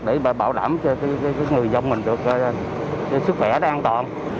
để bảo đảm cho người dân mình được sức khỏe an toàn